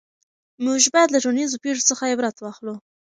موږ باید له ټولنیزو پېښو څخه عبرت واخلو.